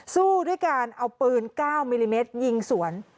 สู้ด้วยการเอาปืน๙มิลลิเมตรยิงสวน